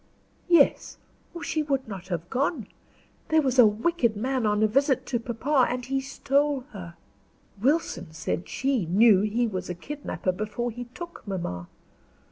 "Yes, or she would not have gone. There was a wicked man on a visit to papa, and he stole her. Wilson said she knew he was a kidnapper before he took mamma.